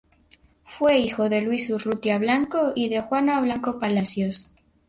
Fue hijo de Luis Urrutia Blanco y de Juana Blanco Palacios.